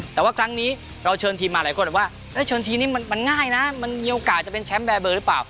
แต่ว่าครั้งนี้เราเชิญทีมมาหลายคนบอกว่าเชิญทีมนี้มันง่ายนะมันมีโอกาสจะเป็นแชมป์แบบเบอร์หรือเปล่า